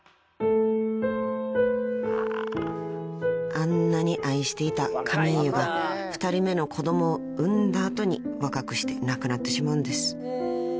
［あんなに愛していたカミーユが２人目の子供を産んだ後に若くして亡くなってしまうんです］